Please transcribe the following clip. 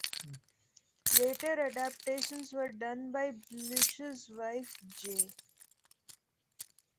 Later adaptations were done by Blish's wife, J.